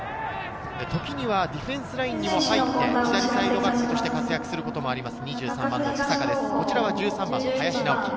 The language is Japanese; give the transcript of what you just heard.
時にはディフェンスラインにも入って左サイドバックとして活躍することもあります。